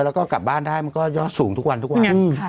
แล้วก็กลับบ้านได้มันก็ยอดสูงทุกวันทุกวัน